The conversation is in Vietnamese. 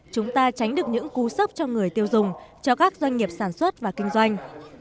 chúng ta tránh được những cú sốc cho người tiêu dùng cho các doanh nghiệp sản xuất và kinh doanh